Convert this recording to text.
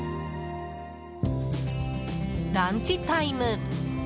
ランチタイム。